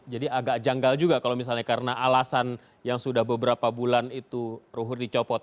jadi agak janggal juga kalau misalnya karena alasan yang sudah beberapa bulan itu ruhut dicopot